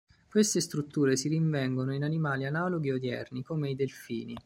Queste strutture si rinvengono in animali analoghi odierni, come i delfini.